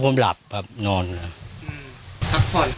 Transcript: ผมหลับครับนอนครับ